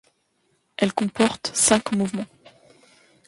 Elle comporte cinq mouvements.